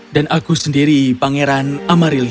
dan aku sendiri pangeran amarilis